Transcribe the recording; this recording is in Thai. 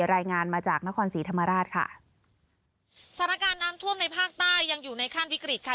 รายงานมาจากนครศรีธรรมราชค่ะสถานการณ์น้ำท่วมในภาคใต้ยังอยู่ในขั้นวิกฤตค่ะ